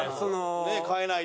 変えないと。